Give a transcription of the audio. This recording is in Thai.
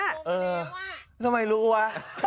เออทำไมรู้วะ